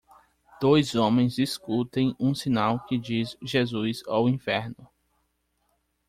Dois homens discutem um sinal que diz Jesus ou Inferno.